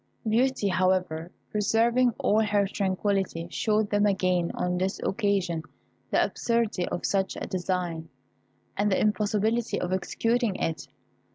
Beauty, however, preserving all her tranquillity, showed them again on this occasion the absurdity of such a design, and the impossibility of executing it.